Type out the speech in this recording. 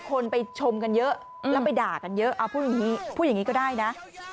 คนไปชมกันเยอะแล้วไปด่ากันเยอะเอาพูดอย่างนี้ก็ได้นะ